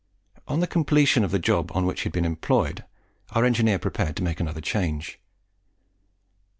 On the completion of the job on which he had been employed, our engineer prepared to make another change.